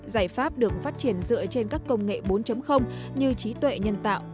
giải pháp được phát triển dựa trên các công nghệ bốn như trí tuệ nhân tạo